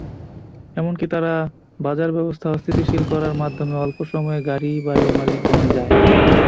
এমনকি, তারা বাজারব্যবস্থা অস্থিতিশীল করার মাধ্যমে অল্প সময়ে গাড়ি-বাড়ির মালিক বনে যায়।